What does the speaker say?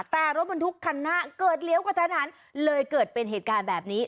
แต่รถบรรทุกคันหน้าเกิดเลี้ยวกระทันหันเลยเกิดเป็นเหตุการณ์แบบนี้